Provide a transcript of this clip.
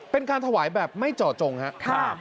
เป็นการถวายแบบไม่เจาะจงครับ